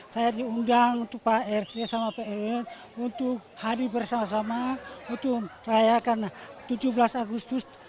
saya diundang untuk pak rt sama pak rw untuk hari bersama sama untuk merayakan tujuh belas agustus